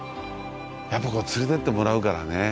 やっぱり連れてってもらうからね。